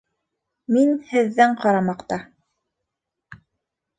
Мин һеҙҙең ҡарамаҡта.